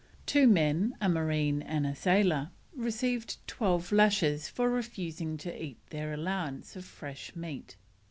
Two men, a marine and a sailor, received twelve lashes for refusing to eat their allowance of fresh meat.